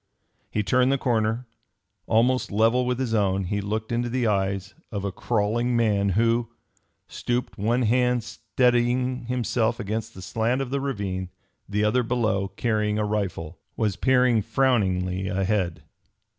He turned the corner. Almost level with his own, he looked into the eyes of a crawling man who stooped, one hand steadying himself against the slant of the ravine, the other below, carrying a rifle was peering frowningly ahead.